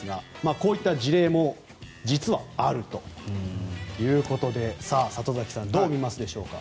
こういった事例も実はあるということで里崎さんどう見ますでしょうか。